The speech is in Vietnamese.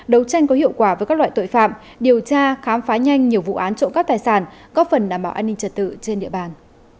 đấu tranh có hiệu quả với các loại tội phạm điều tra khám phá nhanh nhiều vụ án trộm cắp tài sản có phần đảm bảo an ninh trật tự trên địa bàn